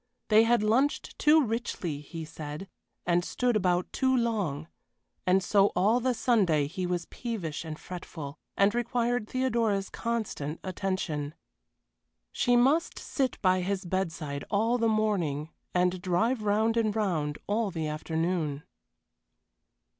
They had lunched too richly, he said, and stood about too long, and so all the Sunday he was peevish and fretful, and required Theodora's constant attention. She must sit by his bedside all the morning, and drive round and round all the afternoon.